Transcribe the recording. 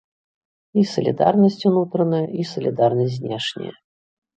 І салідарнасць унутраная і салідарнасць знешняя.